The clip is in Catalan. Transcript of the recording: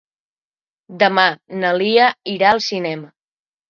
Demà na Lia irà al cinema.